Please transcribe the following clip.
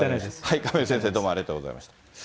亀井先生、どうもありがとうございました。